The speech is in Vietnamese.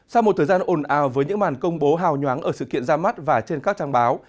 sau một thời gian ồn ào với những màn công bố hào nhoáng ở sự kiện ra mắt và trên các trang báo